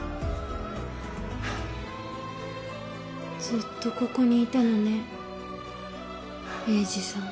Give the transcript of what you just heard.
ずっとここにいたのね栄治さん。